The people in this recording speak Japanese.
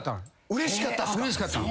うれしかった。